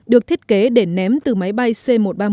được thiết kế để ném từ máy bay c một trăm ba mươi một